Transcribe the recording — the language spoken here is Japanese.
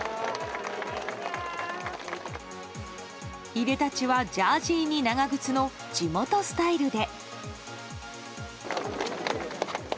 いでたちはジャージーに長靴の地元スタイルで。